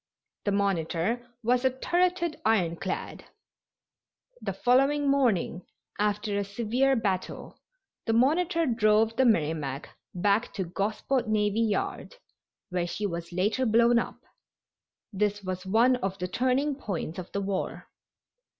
The Monitor was a turreted ironclad. The following morning, after a severe battle, the Monitor drove the Merrimac back to Gosport Navy Yard, where she was later blown up. This was one of the turning points of the war.